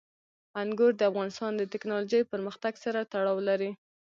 انګور د افغانستان د تکنالوژۍ پرمختګ سره تړاو لري.